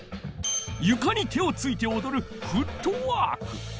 ゆかに手をついておどる「フットワーク」。